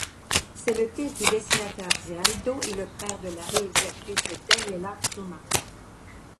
C'est le fils du dessinateur Ziraldo et le frère de la réalisatrice Daniela Thomas.